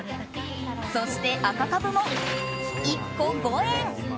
そして、赤カブも１個５円。